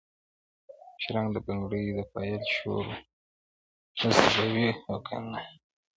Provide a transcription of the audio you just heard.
شرنګ د بنګړو د پایل شور وو اوس به وي او کنه٫